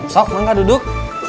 sok bangga duduk